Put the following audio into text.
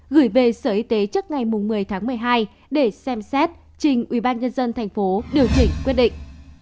gửi về sở y tế trước ngày một mươi tháng một mươi hai để xem xét trình ubnd tp điều chỉnh quyết định